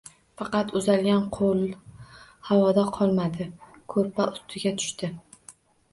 Faqat uzalgan qo'l havoda qolmadi, ko'rpa ustiga tushdi.